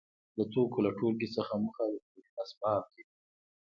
د توکو له ټولګې څخه موخه د تولید اسباب دي.